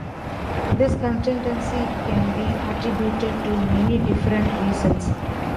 This consistency can be attributed to many different reasons.